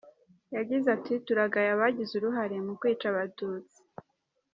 Yagize ati “Turagaya abagize uruhare mu kwica Abatutsi.